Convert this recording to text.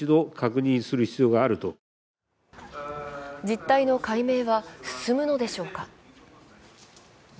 実態の解明は進むのでしょうか。